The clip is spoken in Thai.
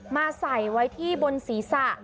มาใส่ไว้ที่บนศีรษะ